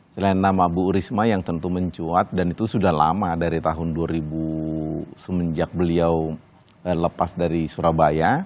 selain nama bu risma yang tentu mencuat dan itu sudah lama dari tahun dua ribu semenjak beliau lepas dari surabaya